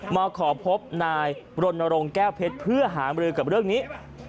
มาขอพบนายรณรงค์แก้วเพชรเพื่อหามรือกับเรื่องนี้